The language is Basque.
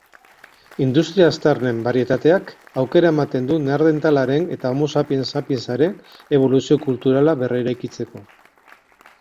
Industria-aztarnen barietateak aukera ematen du Neandertalaren eta Homo sapiens sapiensaren eboluzio kulturala berreraikitzeko.